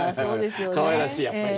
かわいらしいやっぱりね。